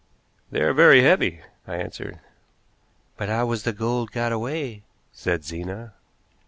"They are very heavy," I answered. "But how was the gold got away?" said Zena.